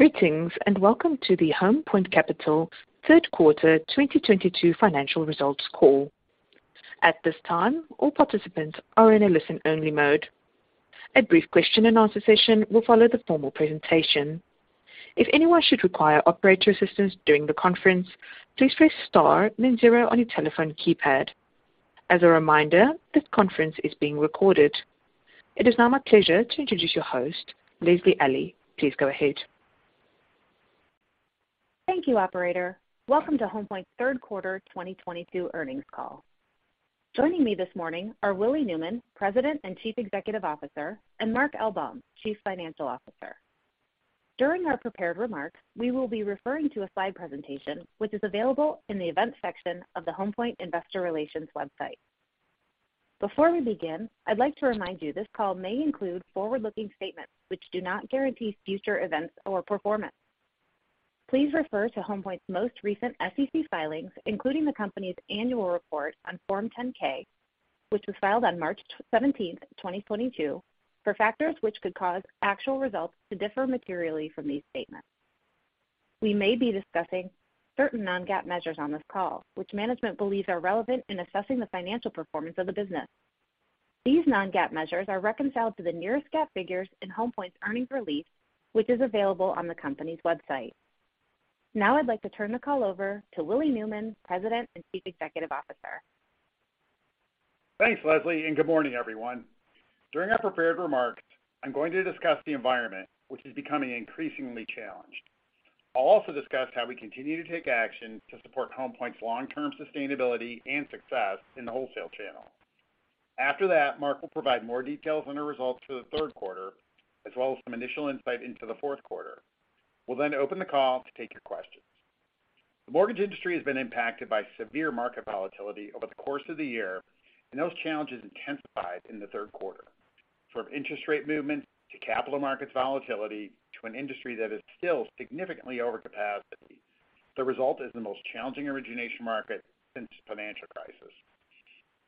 Greetings, and welcome to the Home Point Capital third quarter 2022 financial results call. At this time, all participants are in a listen-only mode. A brief question and answer session will follow the formal presentation. If anyone should require operator assistance during the conference, please press star then zero on your telephone keypad. As a reminder, this conference is being recorded. It is now my pleasure to introduce your host, Lesley Alli. Please go ahead. Thank you, operator. Welcome to Home Point's third quarter 2022 earnings call. Joining me this morning are Willie Newman, President and Chief Executive Officer, and Mark Elbaum, Chief Financial Officer. During our prepared remarks, we will be referring to a slide presentation, which is available in the events section of the Home Point investor relations website. Before we begin, I'd like to remind you this call may include forward-looking statements which do not guarantee future events or performance. Please refer to Home Point's most recent SEC filings, including the company's annual report on Form 10-K, which was filed on March 17, 2022, for factors which could cause actual results to differ materially from these statements. We may be discussing certain non-GAAP measures on this call, which management believes are relevant in assessing the financial performance of the business. These non-GAAP measures are reconciled to the nearest GAAP figures in Home Point's earnings release, which is available on the company's website. Now I'd like to turn the call over to Willie Newman, President and Chief Executive Officer. Thanks, Lesley, and good morning, everyone. During our prepared remarks, I'm going to discuss the environment, which is becoming increasingly challenged. I'll also discuss how we continue to take action to support Home Point's long-term sustainability and success in the wholesale channel. After that, Mark will provide more details on the results for the third quarter, as well as some initial insight into the fourth quarter. We'll then open the call to take your questions. The mortgage industry has been impacted by severe market volatility over the course of the year, and those challenges intensified in the third quarter. From interest rate movement to capital markets volatility to an industry that is still significantly over capacity, the result is the most challenging origination market since the financial crisis.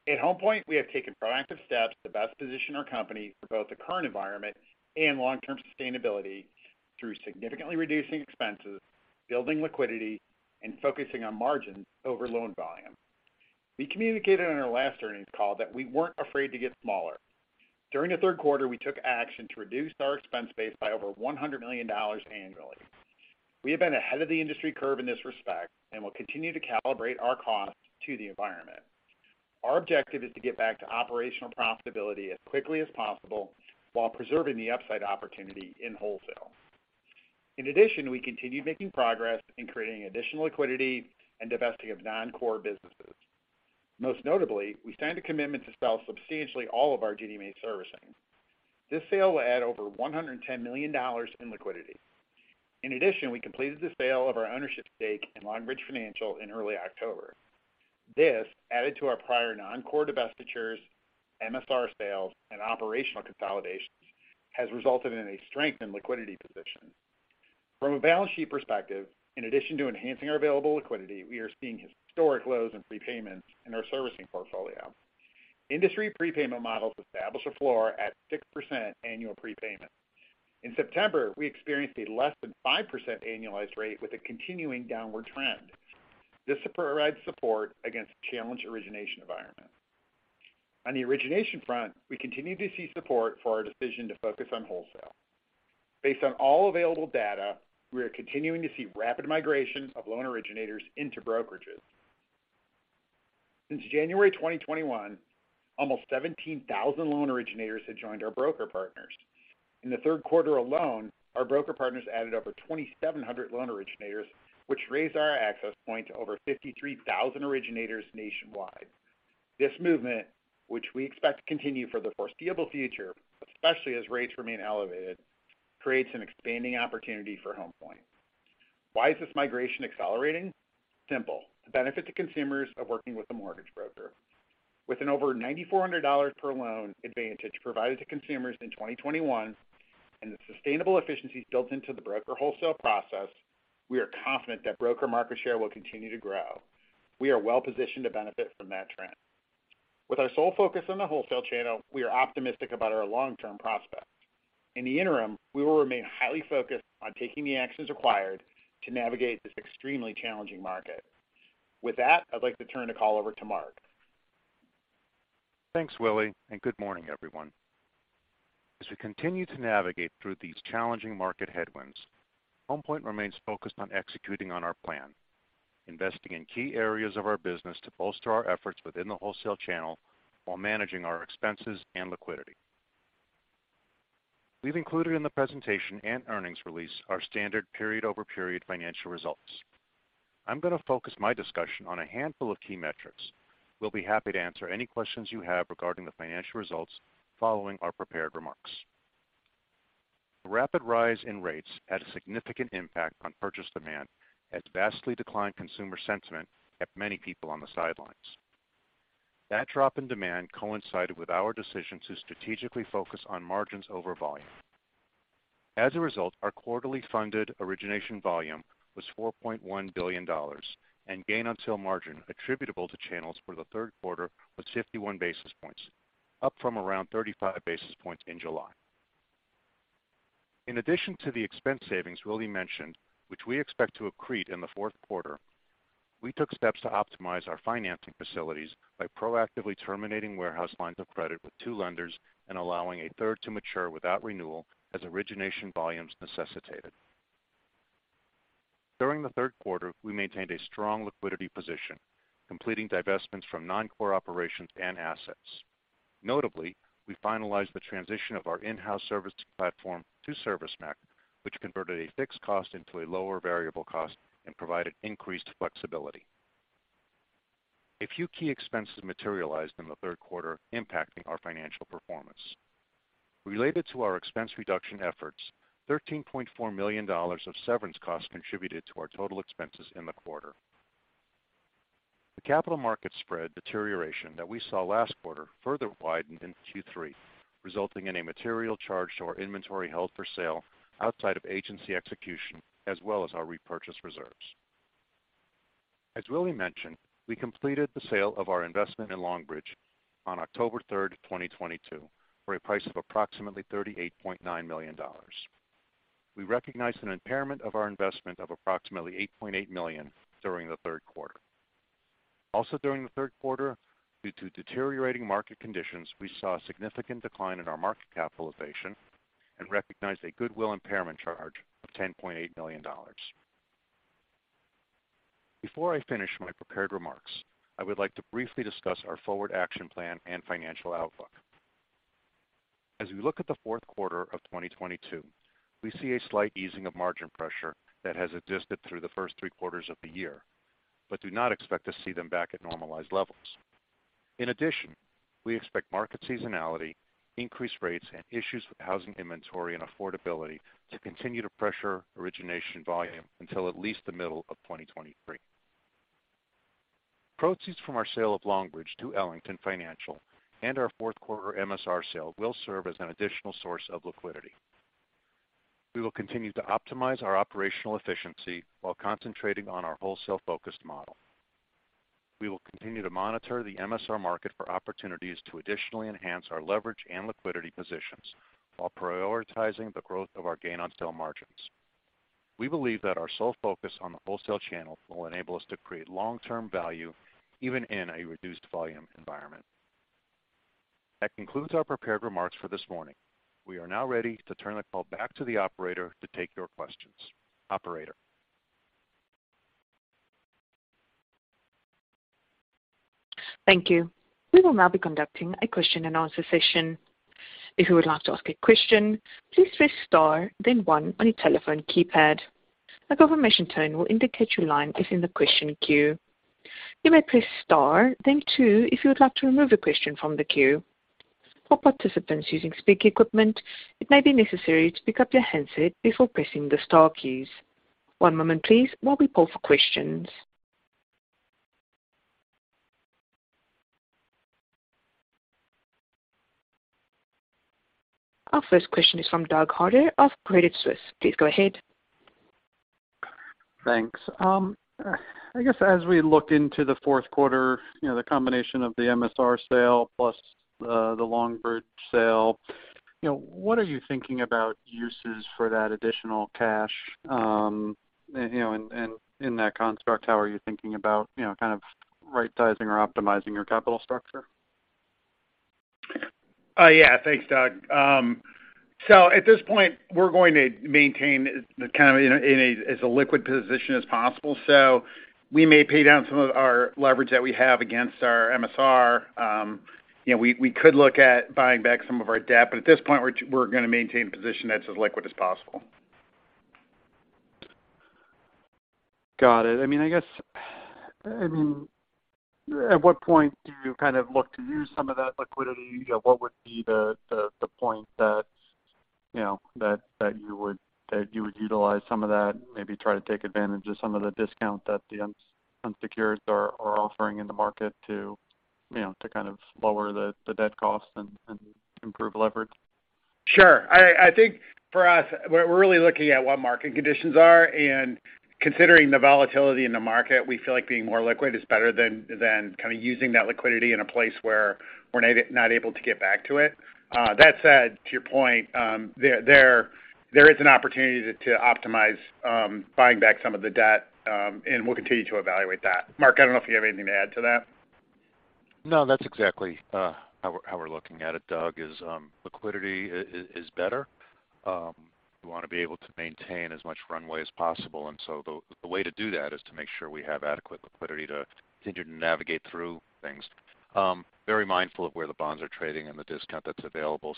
At Home Point, we have taken proactive steps to best position our company for both the current environment and long-term sustainability through significantly reducing expenses, building liquidity, and focusing on margins over loan volume. We communicated on our last earnings call that we weren't afraid to get smaller. During the third quarter, we took action to reduce our expense base by over $100 million annually. We have been ahead of the industry curve in this respect and will continue to calibrate our costs to the environment. Our objective is to get back to operational profitability as quickly as possible while preserving the upside opportunity in wholesale. In addition, we continued making progress in creating additional liquidity and divesting of non-core businesses. Most notably, we signed a commitment to sell substantially all of our Ginnie Mae servicing. This sale will add over $110 million in liquidity. In addition, we completed the sale of our ownership stake in Longbridge Financial in early October. This, added to our prior non-core divestitures, MSR sales, and operational consolidations, has resulted in a strengthened liquidity position. From a balance sheet perspective, in addition to enhancing our available liquidity, we are seeing historic lows in prepayments in our servicing portfolio. Industry prepayment models establish a floor at 6% annual prepayment. In September, we experienced a less than 5% annualized rate with a continuing downward trend. This provides support against a challenged origination environment. On the origination front, we continue to see support for our decision to focus on wholesale. Based on all available data, we are continuing to see rapid migration of loan originators into brokerages. Since January 2021, almost 17,000 loan originators have joined our broker partners. In the third quarter alone, our broker partners added over 2,700 loan originators, which raised our access point to over 53,000 originators nationwide. This movement, which we expect to continue for the foreseeable future, especially as rates remain elevated, creates an expanding opportunity for Home Point. Why is this migration accelerating? Simple. The benefit to consumers of working with a mortgage broker. With an over $9,400 per loan advantage provided to consumers in 2021 and the sustainable efficiencies built into the broker wholesale process, we are confident that broker market share will continue to grow. We are well-positioned to benefit from that trend. With our sole focus on the wholesale channel, we are optimistic about our long-term prospects. In the interim, we will remain highly focused on taking the actions required to navigate this extremely challenging market. With that, I'd like to turn the call over to Mark. Thanks, Willie, and good morning, everyone. As we continue to navigate through these challenging market headwinds, Home Point remains focused on executing on our plan, investing in key areas of our business to bolster our efforts within the wholesale channel while managing our expenses and liquidity. We've included in the presentation and earnings release our standard period-over-period financial results. I'm going to focus my discussion on a handful of key metrics. We'll be happy to answer any questions you have regarding the financial results following our prepared remarks. The rapid rise in rates had a significant impact on purchase demand as vastly declined consumer sentiment kept many people on the sidelines. That drop in demand coincided with our decision to strategically focus on margins over volume. As a result, our quarterly funded origination volume was $4.1 billion and gain on sale margin attributable to channels for the third quarter was 51 basis points, up from around 35 basis points in July. In addition to the expense savings Willie mentioned, which we expect to accrete in the fourth quarter, we took steps to optimize our financing facilities by proactively terminating warehouse lines of credit with two lenders and allowing a third to mature without renewal as origination volumes necessitated. During the third quarter, we maintained a strong liquidity position, completing divestments from non-core operations and assets. Notably, we finalized the transition of our in-house service platform to ServiceMac, which converted a fixed cost into a lower variable cost and provided increased flexibility. A few key expenses materialized in the third quarter, impacting our financial performance. Related to our expense reduction efforts, $13.4 million of severance costs contributed to our total expenses in the quarter. The capital market spread deterioration that we saw last quarter further widened in Q3, resulting in a material charge to our inventory held for sale outside of agency execution, as well as our repurchase reserves. As Willie mentioned, we completed the sale of our investment in Longbridge on October 3, 2022, for a price of approximately $38.9 million. We recognized an impairment of our investment of approximately $8.8 million during the third quarter. Also during the third quarter, due to deteriorating market conditions, we saw a significant decline in our market capitalization and recognized a goodwill impairment charge of $10.8 million. Before I finish my prepared remarks, I would like to briefly discuss our forward action plan and financial outlook. As we look at the fourth quarter of 2022, we see a slight easing of margin pressure that has existed through the first three quarters of the year, but do not expect to see them back at normalized levels. In addition, we expect market seasonality, increased rates, and issues with housing inventory and affordability to continue to pressure origination volume until at least the middle of 2023. Proceeds from our sale of Longbridge to Ellington Financial and our fourth quarter MSR sale will serve as an additional source of liquidity. We will continue to optimize our operational efficiency while concentrating on our wholesale-focused model. We will continue to monitor the MSR market for opportunities to additionally enhance our leverage and liquidity positions while prioritizing the growth of our gain on sale margins. We believe that our sole focus on the wholesale channel will enable us to create long-term value even in a reduced volume environment. That concludes our prepared remarks for this morning. We are now ready to turn the call back to the operator to take your questions. Operator? Thank you. We will now be conducting a question and answer session. If you would like to ask a question, please press star then one on your telephone keypad. A confirmation tone will indicate your line is in the question queue. You may press star then two if you would like to remove a question from the queue. For participants using speaker equipment, it may be necessary to pick up your handset before pressing the star keys. One moment, please while we poll for questions. Our first question is from Doug Harter of Credit Suisse. Please go ahead. Thanks. I guess as we look into the fourth quarter, you know, the combination of the MSR sale plus the Longbridge sale, you know, what are you thinking about uses for that additional cash? You know, and in that construct, how are you thinking about, you know, kind of right sizing or optimizing your capital structure? Yeah. Thanks, Doug. At this point, we're going to maintain kind of as liquid a position as possible. We may pay down some of our leverage that we have against our MSR. You know, we could look at buying back some of our debt, but at this point we're gonna maintain a position that's as liquid as possible. Got it. I mean, I guess, I mean, at what point do you kind of look to use some of that liquidity? You know, what would be the point that you know that you would utilize some of that, maybe try to take advantage of some of the discount that the unsecured are offering in the market to you know to kind of lower the debt cost and improve leverage? Sure. I think for us, we're really looking at what market conditions are, and considering the volatility in the market, we feel like being more liquid is better than kind of using that liquidity in a place where we're not able to get back to it. That said, to your point, there is an opportunity to optimize buying back some of the debt, and we'll continue to evaluate that. Mark, I don't know if you have anything to add to that. No, that's exactly how we're looking at it, Doug. Liquidity is better. We wanna be able to maintain as much runway as possible, and so the way to do that is to make sure we have adequate liquidity to continue to navigate through things. Very mindful of where the bonds are trading and the discount that's available.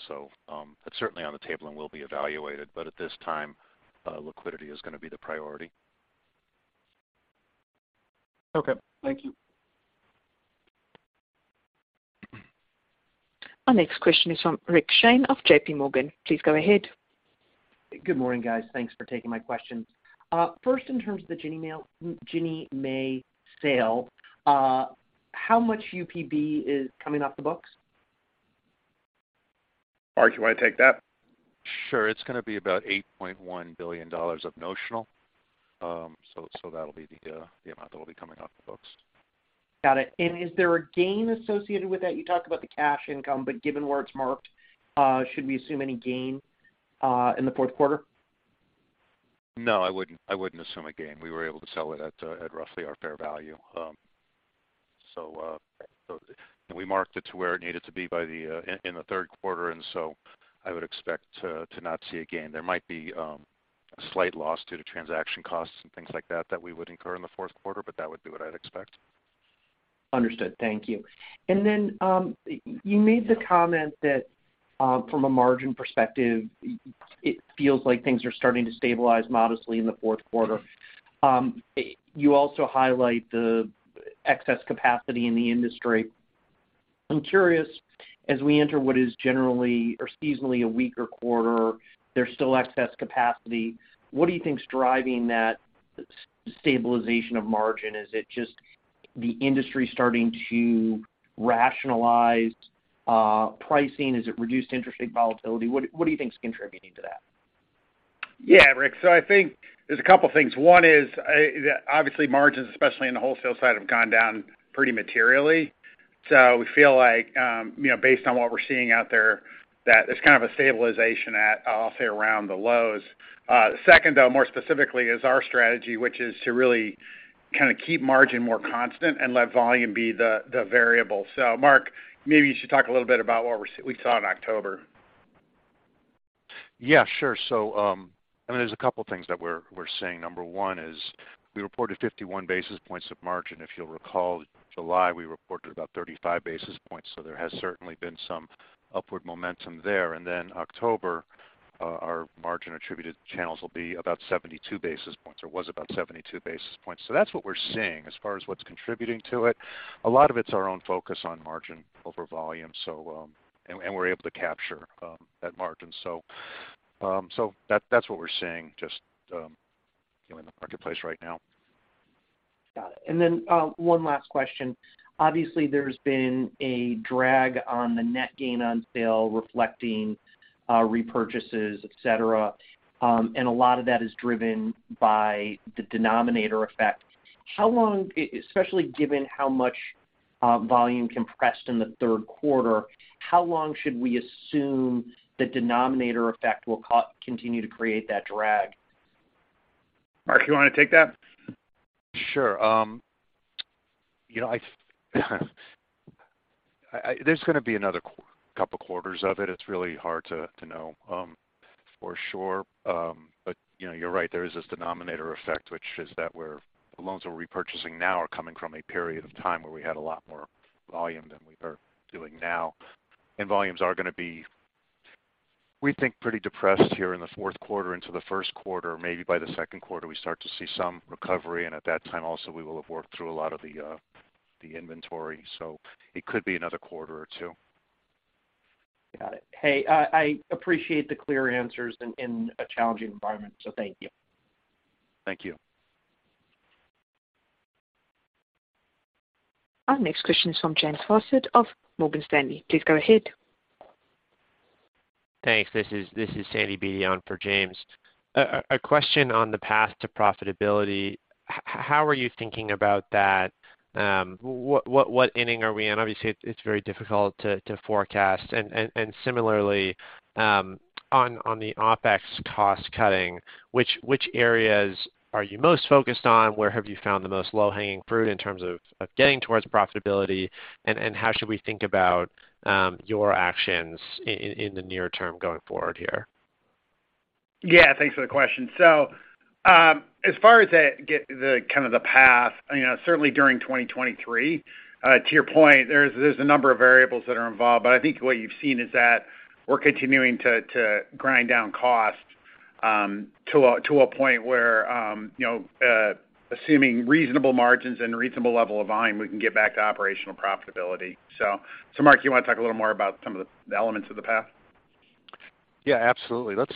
It's certainly on the table and will be evaluated. At this time, liquidity is gonna be the priority. Okay. Thank you. Our next question is from Rick Shane of JPMorgan. Please go ahead. Good morning, guys. Thanks for taking my questions. First, in terms of the Ginnie Mae sale, how much UPB is coming off the books? Mark, you want to take that? Sure. It's going to be about $8.1 billion of notional. That'll be the amount that will be coming off the books. Got it. Is there a gain associated with that? You talked about the cash income, but given where it's marked, should we assume any gain in the fourth quarter? No, I wouldn't assume a gain. We were able to sell it at roughly our fair value. We marked it to where it needed to be by then in the third quarter. I would expect to not see a gain. There might be a slight loss due to transaction costs and things like that that we would incur in the fourth quarter, but that would be what I'd expect. Understood. Thank you. You made the comment that, from a margin perspective, it feels like things are starting to stabilize modestly in the fourth quarter. You also highlight the excess capacity in the industry. I'm curious, as we enter what is generally or seasonally a weaker quarter, there's still excess capacity. What do you think is driving that stabilization of margin? Is it just the industry starting to rationalize, pricing? Is it reduced interest rate volatility? What do you think is contributing to that? Yeah, Rick. I think there's a couple things. One is, obviously margins, especially in the wholesale side, have gone down pretty materially. We feel like, you know, based on what we're seeing out there, that it's kind of a stabilization at, I'll say, around the lows. Second, though, more specifically is our strategy, which is to really kind of keep margin more constant and let volume be the variable. Mark, maybe you should talk a little bit about what we saw in October. Yeah, sure. I mean, there's a couple things that we're seeing. Number one is we reported 51 basis points of margin. If you'll recall, July, we reported about 35 basis points. There has certainly been some upward momentum there. Then, October, our margin attributed channels will be about 72 basis points, or was about 72 basis points. That's what we're seeing. As far as what's contributing to it, a lot of it's our own focus on margin over volume. And we're able to capture that margin. That's what we're seeing just, you know, in the marketplace right now. Got it. Then, one last question. Obviously, there's been a drag on the net gain on sale reflecting repurchases, et cetera. A lot of that is driven by the denominator effect. How long, especially given how much volume compressed in the third quarter, should we assume the denominator effect will continue to create that drag? Mark, you want to take that? Sure. There's going to be another couple quarters of it. It's really hard to know for sure. You know, you're right, there is this denominator effect, which is that where the loans we're repurchasing now are coming from a period of time where we had a lot more volume than we are doing now. Volumes are going to be, we think, pretty depressed here in the fourth quarter into the first quarter. Maybe by the second quarter, we start to see some recovery. At that time also, we will have worked through a lot of the inventory. It could be another quarter or two. Got it. Hey, I appreciate the clear answers in a challenging environment. Thank you. Thank you. Our next question is from James Faucette of Morgan Stanley. Please go ahead. Thanks. This is [Sandy Bi] for James. A question on the path to profitability. How are you thinking about that? What inning are we in? Obviously, it's very difficult to forecast. Similarly, on the OpEx cost cutting, which areas are you most focused on? Where have you found the most low-hanging fruit in terms of getting towards profitability? How should we think about your actions in the near term going forward here? Yeah, thanks for the question. As far as the kind of the path, you know, certainly during 2023, to your point, there's a number of variables that are involved. I think what you've seen is that we're continuing to grind down costs, to a point where, you know, assuming reasonable margins and reasonable level of volume, we can get back to operational profitability. Mark, you want to talk a little more about some of the elements of the path? Yeah, absolutely. Let's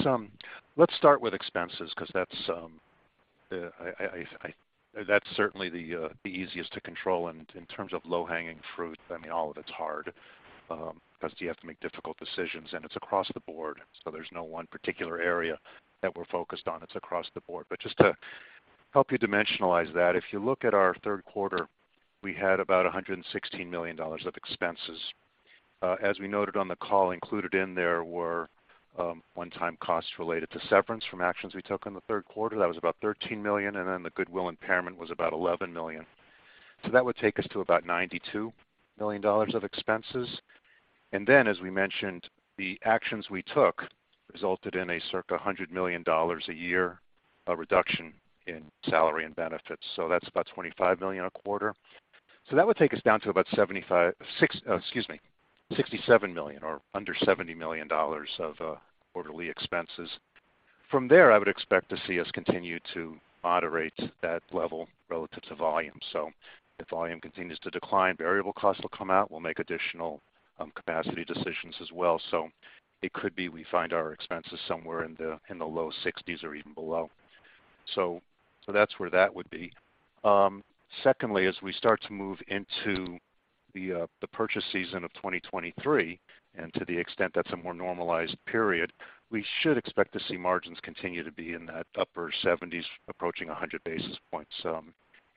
start with expenses because that's certainly the easiest to control. In terms of low-hanging fruit, I mean, all of it's hard because you have to make difficult decisions, and it's across the board. There's no one particular area that we're focused on. It's across the board. Just to help you dimensionalize that, if you look at our third quarter, we had about $116 million of expenses. As we noted on the call, included in there were one-time costs related to severance from actions we took in the third quarter. That was about $13 million, and then the goodwill impairment was about $11 million. That would take us to about $92 million of expenses. As we mentioned, the actions we took resulted in a circa $100 million a year of reduction in salary and benefits. That's about $25 million a quarter. That would take us down to about $67 million or under $70 million of quarterly expenses. From there, I would expect to see us continue to moderate that level relative to volume. If volume continues to decline, variable costs will come out. We'll make additional capacity decisions as well. It could be we find our expenses somewhere in the low 60s or even below. That's where that would be. Secondly, as we start to move into the purchase season of 2023, and to the extent that's a more normalized period, we should expect to see margins continue to be in that upper 70s approaching 100 basis points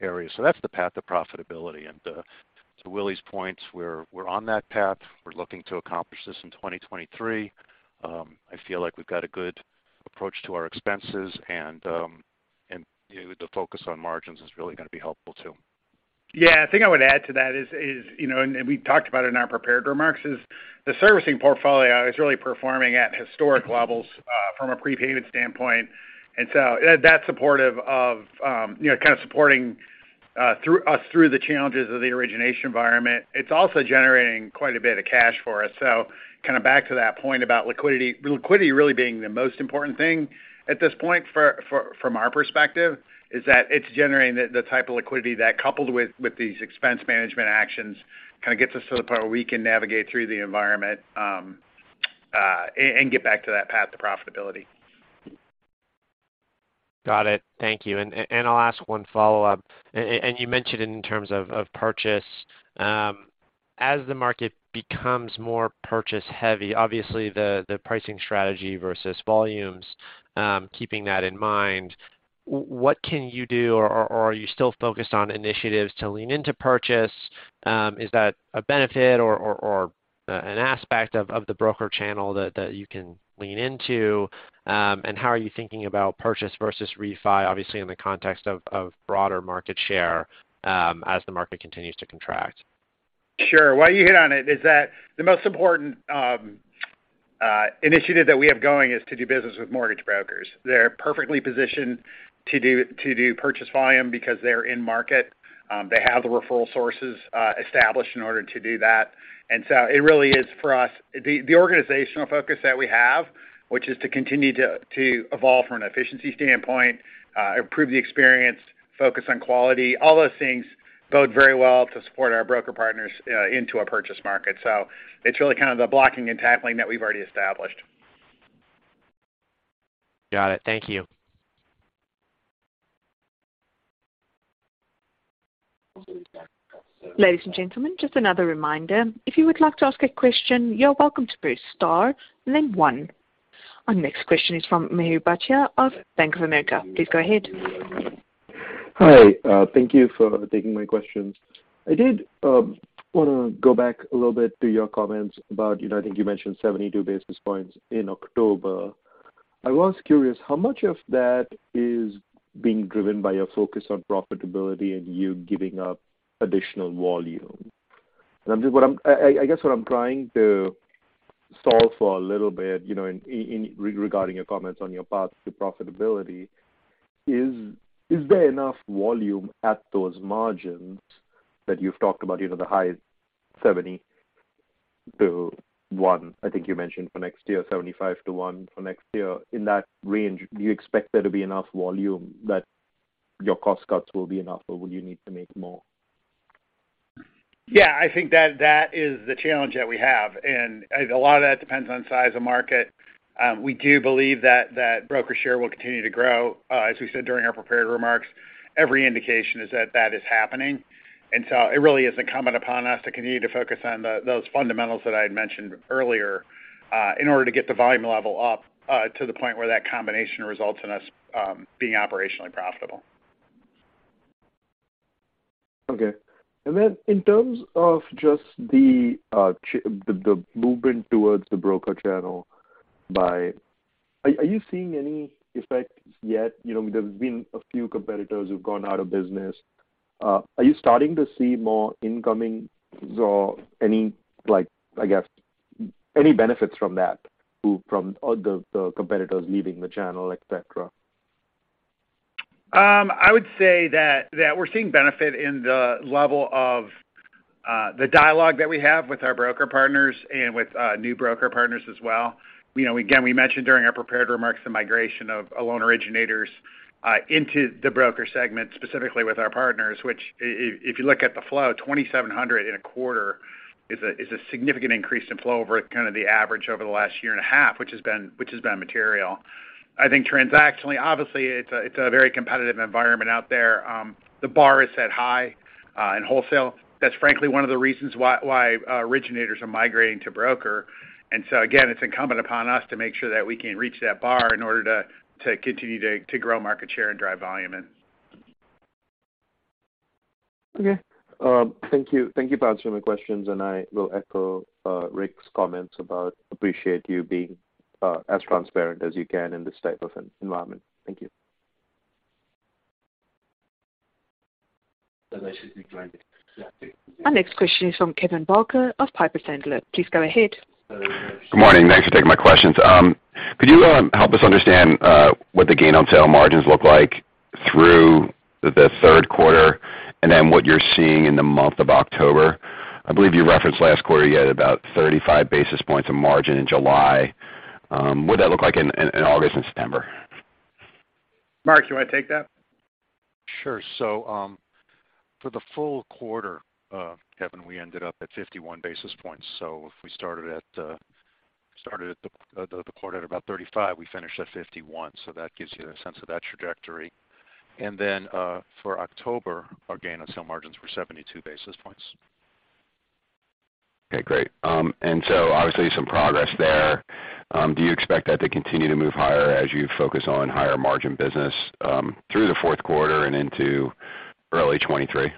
area. That's the path to profitability. To Willie's point, we're on that path. We're looking to accomplish this in 2023. I feel like we've got a good approach to our expenses and, you know, the focus on margins is really gonna be helpful too. Yeah. The thing I would add to that is, you know, and we talked about it in our prepared remarks, is the servicing portfolio is really performing at historic levels, from a prepayment standpoint. That's supportive of, you know, kind of supporting us through the challenges of the origination environment. It's also generating quite a bit of cash for us. Kind of back to that point about liquidity. Liquidity really being the most important thing at this point for, from our perspective, is that it's generating the type of liquidity, that coupled with these expense management actions, kind of gets us to the point where we can navigate through the environment, and get back to that path to profitability. Got it. Thank you. I'll ask one follow-up. You mentioned in terms of purchase. As the market becomes more purchase heavy, obviously the pricing strategy versus volumes, keeping that in mind, what can you do or are you still focused on initiatives to lean into purchase? Is that a benefit or an aspect of the broker channel that you can lean into? How are you thinking about purchase versus refi, obviously in the context of broader market share, as the market continues to contract? Sure. Well, you hit on it, is that the most important initiative that we have going is to do business with mortgage brokers. They're perfectly positioned to do purchase volume because they're in market. They have the referral sources established in order to do that. It really is for us. The organizational focus that we have, which is to continue to evolve from an efficiency standpoint, improve the experience, focus on quality, all those things bode very well to support our broker partners into a purchase market. It's really kind of the blocking and tackling that we've already established. Got it. Thank you. Ladies and gentlemen, just another reminder. If you would like to ask a question, you're welcome to press star then one. Our next question is from Mihir Bhatia of Bank of America. Please go ahead. Hi. Thank you for taking my questions. I did wanna go back a little bit to your comments about, you know, I think you mentioned 72 basis points in October. I was curious, how much of that is being driven by your focus on profitability and you giving up additional volume? I'm just, I guess, what I'm trying to solve for a little bit, you know, in regarding your comments on your path to profitability, is there enough volume at those margins that you've talked about, you know, the high 70-100, I think you mentioned for next year, 75-100 for next year. In that range, do you expect there to be enough volume that your cost cuts will be enough, or will you need to make more? Yeah, I think that is the challenge that we have, and a lot of that depends on size of market. We do believe that broker share will continue to grow. As we said during our prepared remarks, every indication is that is happening. It really is incumbent upon us to continue to focus on those fundamentals that I had mentioned earlier, in order to get the volume level up, to the point where that combination results in us being operationally profitable. Okay. Then in terms of just the movement towards the broker channel by... Are you seeing any effects yet? You know, there's been a few competitors who've gone out of business. Are you starting to see more incoming or any like, I guess, any benefits from that, from all the competitors leaving the channel, et cetera? I would say that we're seeing benefit in the level of the dialogue that we have with our broker partners and with new broker partners as well. You know, again, we mentioned during our prepared remarks the migration of loan originators into the broker segment, specifically with our partners, which if you look at the flow, 2,700 in a quarter is a significant increase in flow over kind of the average over the last year and a half, which has been material. I think transactionally, obviously, it's a very competitive environment out there. The bar is set high in wholesale. That's frankly one of the reasons why originators are migrating to broker. Again, it's incumbent upon us to make sure that we can reach that bar in order to continue to grow market share and drive volume in. Okay. Thank you. Thank you for answering my questions, and I will echo Rick's comments. I appreciate you being as transparent as you can in this type of an environment. Thank you. Our next question is from Kevin Barker of Piper Sandler. Please go ahead. Good morning. Thanks for taking my questions. Could you help us understand what the gain on sale margins look like through the third quarter and then what you're seeing in the month of October? I believe you referenced last quarter you had about 35 basis points of margin in July. What'd that look like in August and September? Mark, do you wanna take that? Sure. For the full quarter, Kevin, we ended up at 51 basis points. If we started the quarter at about 35, we finished at 51. That gives you a sense of that trajectory. For October, our gain on sale margins were 72 basis points. Okay, great. Obviously some progress there. Do you expect that to continue to move higher as you focus on higher margin business through the fourth quarter and into early 2023?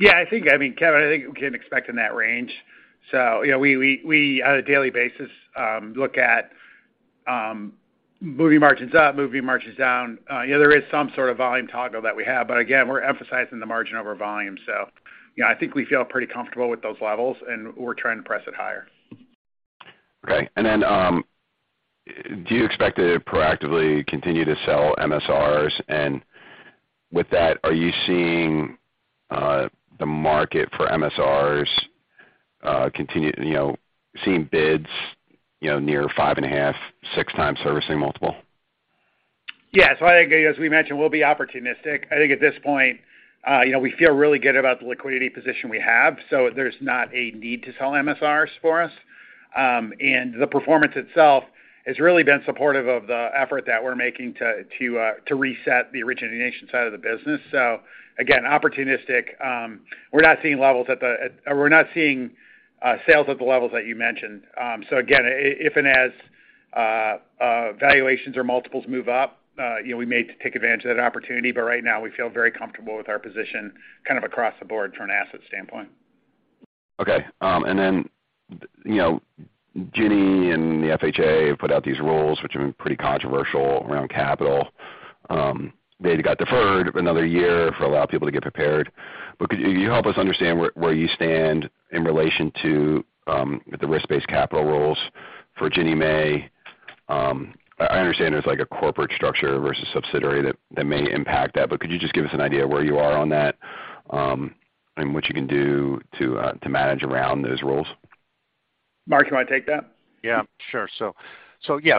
Yeah, I think, I mean, Kevin, I think we can expect in that range. You know, we on a daily basis look at moving margins up, moving margins down. You know, there is some sort of volume toggle that we have. Again, we're emphasizing the margin over volume. You know, I think we feel pretty comfortable with those levels, and we're trying to press it higher. Okay. Do you expect to proactively continue to sell MSRs? With that, are you seeing the market for MSRs continue, you know, seeing bids, you know, near 5.5x-6x servicing multiple? Yeah. I think as we mentioned, we'll be opportunistic. I think at this point, you know, we feel really good about the liquidity position we have, so there's not a need to sell MSRs for us. The performance itself has really been supportive of the effort that we're making to reset the origination side of the business. Again, opportunistic. We're not seeing sales at the levels that you mentioned. Again, if and as valuations or multiples move up, you know, we may take advantage of that opportunity. Right now, we feel very comfortable with our position kind of across the board from an asset standpoint. Okay. You know, Ginnie and the FHA have put out these rules, which have been pretty controversial around capital. They got deferred another year for a lot of people to get prepared. Could you help us understand where you stand in relation to the risk-based capital rules for Ginnie Mae? I understand there's like a corporate structure versus subsidiary that may impact that, but could you just give us an idea of where you are on that, and what you can do to manage around those rules? Mark, you wanna take that? Yeah, sure. Yeah,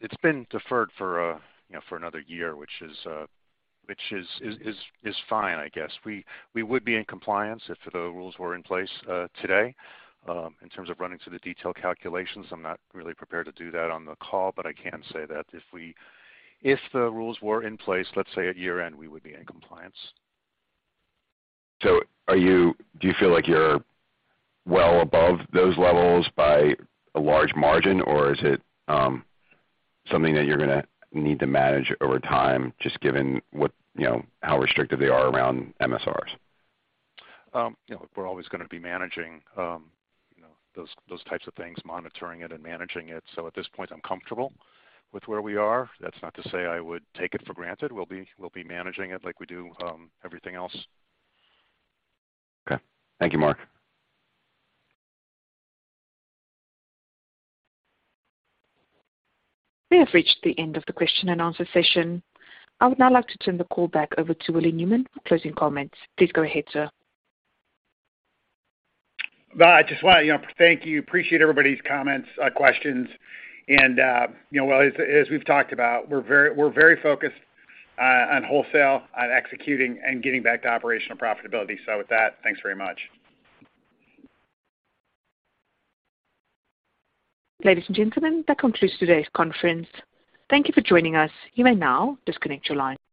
it's been deferred for, you know, for another year, which is fine, I guess. We would be in compliance if the rules were in place today. In terms of running through the detailed calculations, I'm not really prepared to do that on the call, but I can say that if the rules were in place, let's say at year-end, we would be in compliance. Do you feel like you're well above those levels by a large margin, or is it something that you're gonna need to manage over time just given what, you know, how restrictive they are around MSRs? You know, we're always gonna be managing, you know, those types of things, monitoring it and managing it. At this point, I'm comfortable with where we are. That's not to say I would take it for granted. We'll be managing it like we do everything else. Okay. Thank you, Mark. We have reached the end of the question and answer session. I would now like to turn the call back over to Willie Newman for closing comments. Please go ahead, sir. Well, I just wanna, you know, thank you. Appreciate everybody's comments, questions. You know, well, as we've talked about, we're very focused on wholesale, on executing and getting back to operational profitability. With that, thanks very much. Ladies and gentlemen, that concludes today's conference. Thank you for joining us. You may now disconnect your line.